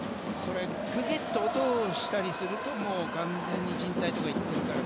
グキッと音がしたりすると完全にじん帯がいってるからね。